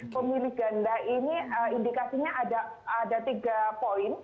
pemilih ganda ini indikasinya ada tiga poin